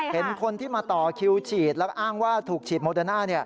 เห็นคนที่มาต่อคิวฉีดแล้วก็อ้างว่าถูกฉีดโมเดอร์น่า